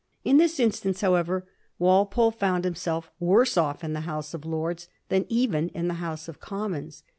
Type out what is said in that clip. In this instance, however, Walpole found himself worse off in the House of Lords than even in the House of Commons.